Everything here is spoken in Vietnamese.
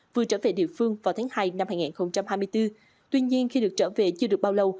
vừa trở về địa phương vào tháng hai năm hai nghìn hai mươi bốn tuy nhiên khi được trở về chưa được bao lâu